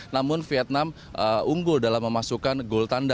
namun vietnam unggul dalam memasukkan gol tanda